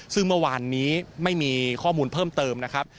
ซึ่งเมื่อวานนี้ไม่มีข้อมูลเพิ่มเติมนะครับ